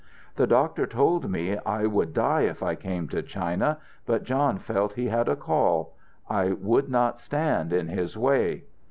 "The doctor told me I would die if I came to China, but John felt he had a call. I would not stand in his way."